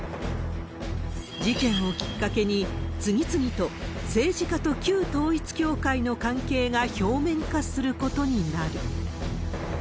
事件をきっかけに、次々と政治家と旧統一教会の関係が表面化することになる。